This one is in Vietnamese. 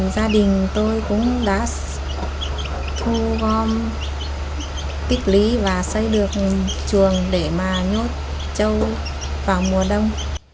gia đình tôi cũng đã thu gom tích lý và xây được chuồng để mà nhốt trâu vào mùa đông